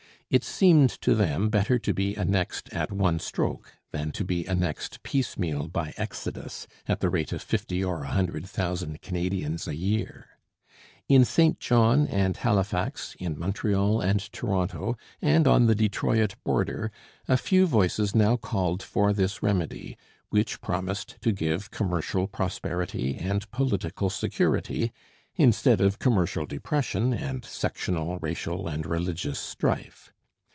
It seemed to them better to be annexed at one stroke than to be annexed piecemeal by exodus, at the rate of fifty or a hundred thousand Canadians a year. In St John and Halifax, in Montreal and Toronto, and on the Detroit border, a few voices now called for this remedy, which promised to give commercial prosperity and political security instead of commercial depression and sectional, racial, and religious strife.